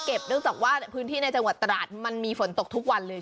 คือเหมือนปีนี้กินง้อน้อย